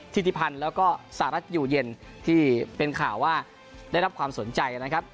ธิติพันธ์แล้วก็สหรัฐอยู่เย็นที่เป็นข่าวว่าได้รับความสนใจนะครับ